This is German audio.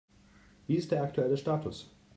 Wie ist der aktuelle Status?